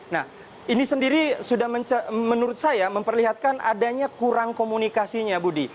nah ini sendiri sudah menurut saya memperlihatkan adanya kurang komunikasinya budi